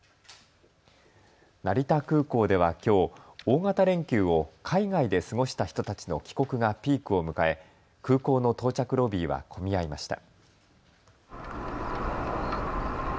成田空港ではきょう大型連休を海外で過ごした人たちの帰国がピークを迎え空港の到着ロビーは混み合いました。